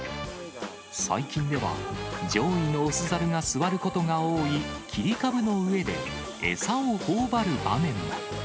最近では、上位の雄ザルが座ることが多い切り株の上で、餌をほおばる場面が。